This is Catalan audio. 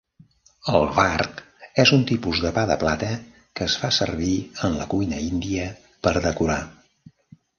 El "vark" és un tipus de pa de plata que es fa servir en la cuina índia per decorar.